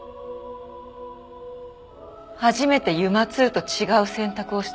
初めてＵＭＡ−Ⅱと違う選択をしたの。